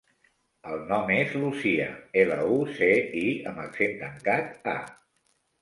El nom és Lucía: ela, u, ce, i amb accent tancat, a.